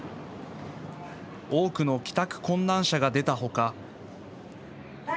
多くの帰宅困難者が出たほか。